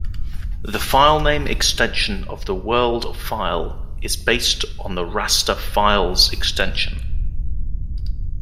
The filename extension of the world file is based on the raster file's extension.